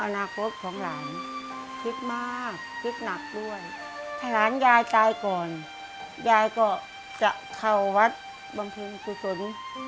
อ๋ออนาคตของหลานคิดมากคิดหนักด้วยถ้าหลานยายตายก่อนยายก็จะเข้าวัดบรรพีสุทธนภิกษ์